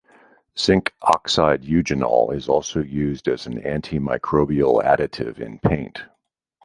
Zinc oxide eugenol is also used as an antimicrobial additive in paint.